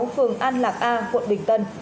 phường an lạc a quận bình tân